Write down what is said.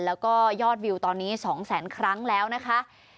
แล้วก็ยอดวิวตอนนี้๒แสนครั้งแล้วนะคะ